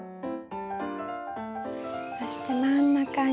そして真ん中に。